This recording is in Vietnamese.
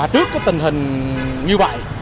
trước tình hình như vậy